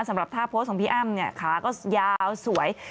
สำหรับท่าโพสต์ของพี่อ้ำเนี่ยขาก็ยาวสวย